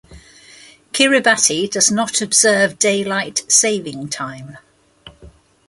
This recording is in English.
Kiribati does not observe daylight saving time.